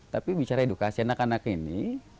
tapi bicara edukasi anak anak ini